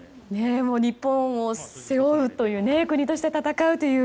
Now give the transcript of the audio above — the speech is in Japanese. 日本を背負うという国として戦うという